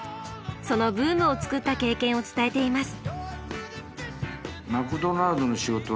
そのブームをつくった経験を伝えています。